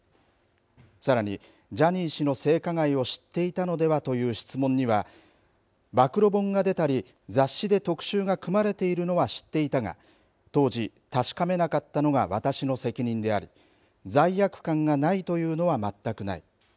さらにジャニー氏の性加害を知っていたのではという質問には暴露本が出たり雑誌で特集が組まれているのは知っていたが当時、確かめなかったのが私の責任であり罪悪感がないというのは全くない。